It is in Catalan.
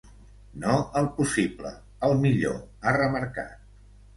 No el possible, el millor, ha remarcat.